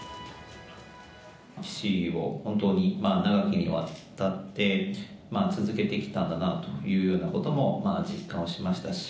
棋士を本当に長きにわたって続けてきたんだなというようなことも、実感をしましたし。